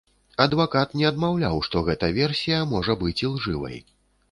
Адвакат не адмаўляў, што гэта версія можа быць ілжывай.